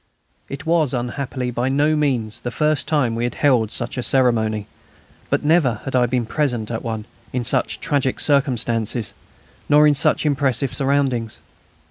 It was unhappily by no means the first time we had held such a ceremony, but never had I been present at one in such tragic circumstances, nor in such impressive surroundings.